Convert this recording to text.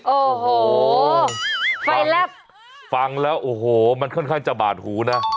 โอ้โหไฟแลบฟังแล้วโอ้โหมันค่อนข้างจะบาดหูนะ